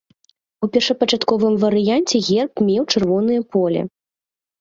У першапачатковым варыянце герб меў чырвонае поле.